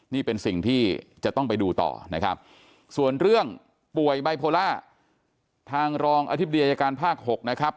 นี่เป็นสิ่งที่จะต้องไปดูต่อนะครับส่วนเรื่องป่วยไบโพล่าทางรองอธิบดีอายการภาค๖นะครับ